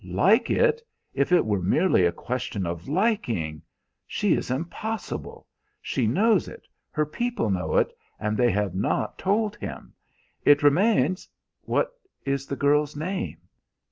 "Like it! If it were merely a question of liking! She is impossible. She knows it, her people know it, and they have not told him. It remains" "What is the girl's name?"